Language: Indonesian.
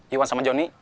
iwan sama jonny